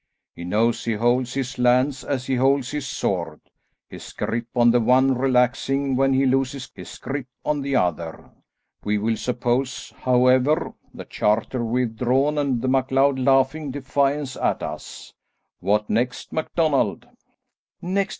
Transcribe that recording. He knows he holds his lands as he holds his sword, his grip on the one relaxing when he loses his grip on the other. We will suppose, however, the charter withdrawn and the MacLeod laughing defiance at us. What next, MacDonald?" "Next!